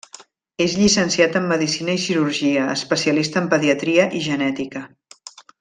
És llicenciat en medicina i cirurgia, especialista en pediatria i genètica.